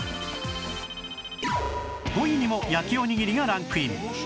５位にも焼おにぎりがランクイン